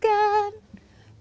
aku akan tetap setia